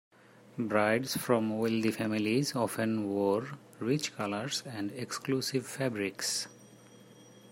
Brides from wealthy families often wore rich colors and exclusive fabrics.